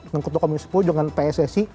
mengkutuk komisi sepuluh dengan pssi